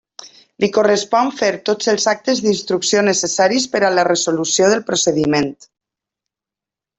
Li correspon fer tots els actes d'instrucció necessaris per a la resolució del procediment.